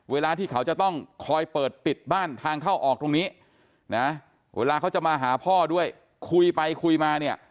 เวลาที่เขาจะต้องคอยเปิดปิดบ้านทางเข้าออกตรงนี้นะเวลาเขาจะมาหาพ่อด้วยคุยไปคุยมาเนี่ย